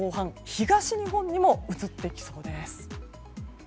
東日本にも移ってきそうです。